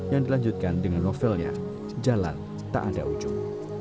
yang dilanjutkan dengan novelnya jalan tak ada ujung